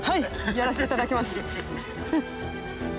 やらせていただきます。